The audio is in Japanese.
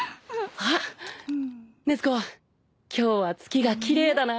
あっ禰豆子今日は月が奇麗だな。